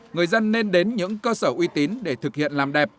người dân nên đến những cơ sở uy tín để thực hiện làm đẹp